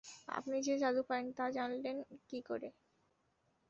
আপনি যে জাদু পারেন, তা জানলেন কী করে?